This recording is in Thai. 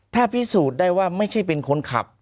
ถ้าพิสูจน์ได้ว่าไม่ใช่เป็นคนขับ